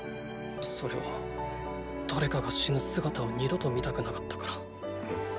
それは誰かが死ぬ姿を二度と見たくなかったから。